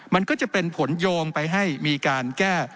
มันก็จะเป็นผลโยงไปให้มีการแก้